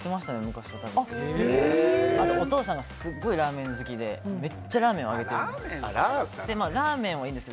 お父さんがすごいラーメン好きでめっちゃラーメン上げているんです。